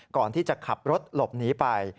ก่อนที่จะขับรถหลบหนีไป